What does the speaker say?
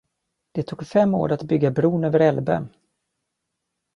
Det tog fem år att bygga bron över Elbe.